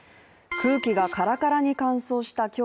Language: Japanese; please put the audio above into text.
空気がカラカラに乾燥した今日